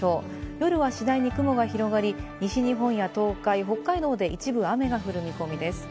夜は次第に雲が広がり、西日本や東海、北海道で一部雨が降る見込みです。